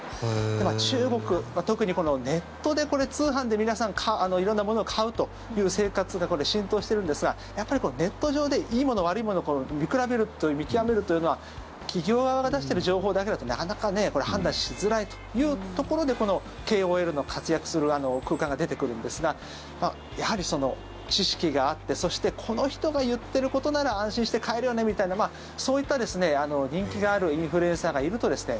中国、特にネットで、通販で皆さん色んなものを買うという生活が浸透してるんですがやっぱりネット上でいいもの悪いものを見比べる見極めるというのは企業側が出してる情報だけだとなかなか判断しづらいというところでこのＫＯＬの活躍する空間が出てくるんですがやはり、その知識があってそしてこの人が言ってることなら安心して買えるよねみたいなそういった人気があるインフルエンサーがいるとですね